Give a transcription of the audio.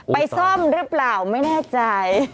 ไปซ่อมหรือเปล่าไม่แน่ใจ